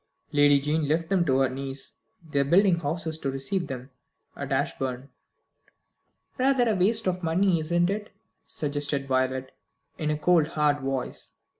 "Lady Jane left them to her niece. They are building houses to receive them at Ashbourne." "Rather a waste of money, isn't it?" suggested Violet, in a cold hard voice.